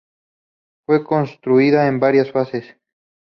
Fue construida en varias fases.